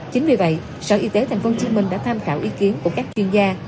chính vì vậy sở y tế tp hcm đã tham khảo ý kiến của các chuyên gia